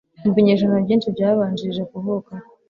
Mu binyejana byinshi byabanjirije kuvuka kwe,